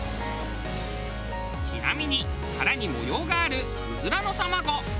ちなみに殻に模様があるうずらの卵。